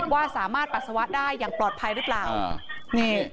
ว่าสามารถปัสสาวะได้อย่างปลอดภัยหรือเปล่า